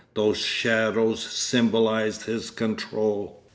Those shadows symbolised his control.